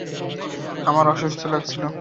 আমার অসুস্থ লাগছিল।